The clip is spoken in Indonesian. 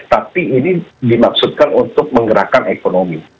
tapi ini dimaksudkan untuk menggerakkan ekonomi